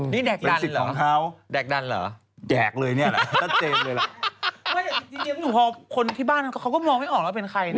นี่แดกดันเหรอแดกดันเหรอแดกเลยเนี่ยแหละจริงอยู่พอคนที่บ้านเขาก็มองไม่ออกว่าเป็นใครนะ